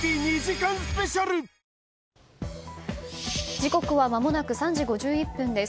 時刻はまもなく３時５１分です。